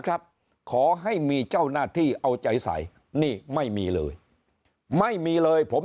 ครับขอให้มีเจ้าหน้าที่เอาใจใส่นี่ไม่มีเลยไม่มีเลยผม